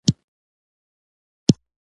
په پټه غونډه کې فیصله وکړه.